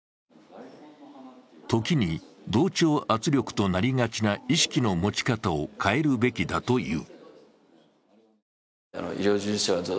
時に同調圧力となりがちな意識の持ち方を変えるべきだという。